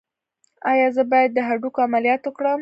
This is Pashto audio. ایا زه باید د هډوکو عملیات وکړم؟